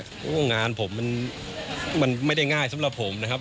เพราะว่างานผมมันไม่ได้ง่ายสำหรับผมนะครับ